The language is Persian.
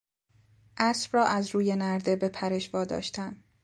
اسب را از روی نرده به پرش واداشتن